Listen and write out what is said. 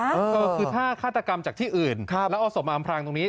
เออคือถ้าฆาตกรรมจากที่อื่นแล้วเอาศพมาอำพรางตรงนี้